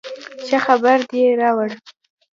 ښه خبر دې راوړ